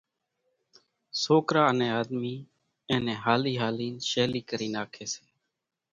سوڪرا انين آۮمي اِين نين ھالي ھالين شيلي ڪري ناکي سي۔